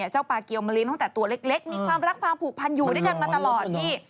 เจ้าปลาเกียวมาเลี้ยตั้งแต่ตัวเล็กมีความรักความผูกพันอยู่ด้วยกันมาตลอดพี่